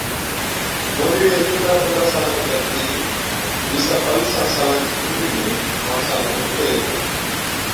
موهِيڙي چوڏهن پندرهن سالان کن ڪتِي بِيسان ٻاوِيسان سالان چِي عمري ۾ ماڻسان نُون نِڪري هِتي۔